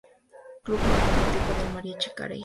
Club" lo comparó con el de Mariah Carey.